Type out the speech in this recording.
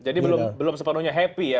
jadi belum sepenuhnya happy ya